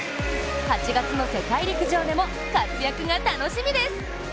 ８月の世界陸上でも活躍が楽しみです。